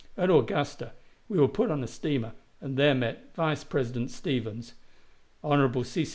At Augusta we were put on a steamer, and there met Vice President Stephens; Hon. C. C.